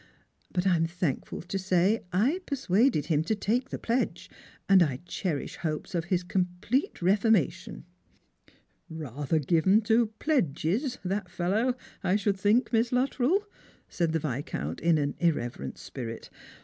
But I am thankful to say I persuaded him to take the pledge, and I cherish hopes of his complete reformation." " Rather given to pledges, that fellow, I should think, Miss Luttrell," said the Yiscouut, in an irreverent spirit.